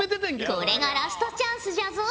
これがラストチャンスじゃぞ。